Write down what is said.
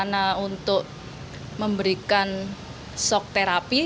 yang kedua adalah untuk memberikan sok terapi